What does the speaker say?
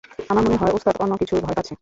আমার মনে হয় ওস্তাদ অন্যকিছুর ভয় পাচ্ছে।